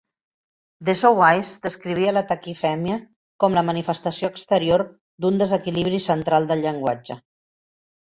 Deso Weiss descrivia la taquifèmia com la manifestació exterior d'un desequilibri central del llenguatge.